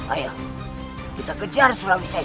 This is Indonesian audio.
ayo kita kejar sulawesi